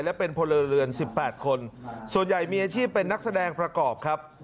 และเป็นพลเรือน๑๘คนส่วนใหญ่มีอาชีพเป็นนักแสดงประกอบครับ